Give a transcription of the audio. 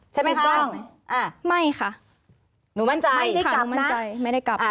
ใช่ไหมคะไม่ค่ะหนูมั่นใจไม่ได้กลับนะไม่ได้กลับ